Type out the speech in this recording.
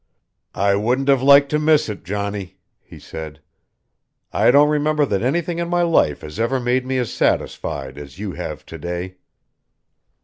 "I wouldn't have liked to miss it, Johnny," he said. "I don't remember that anything in my life has ever made me as satisfied as you have to day."